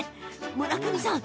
村上さん